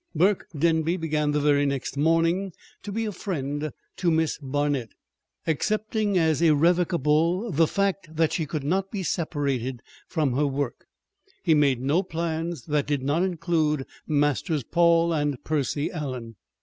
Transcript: Burke Denby began the very next morning to be a friend to Miss Barnet. Accepting as irrevocable the fact that she could not be separated from her work, he made no plans that did not include Masters Paul and Percy Allen.